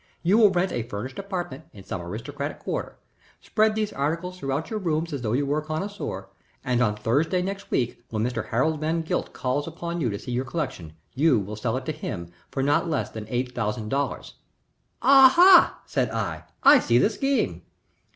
You will rent a furnished apartment in some aristocratic quarter. Spread these articles throughout your rooms as though you were a connoisseur, and on Thursday next when Mr. Harold Van Gilt calls upon you to see your collection you will sell it to him for not less than eight thousand dollars." "Aha!" said I. "I see the scheme."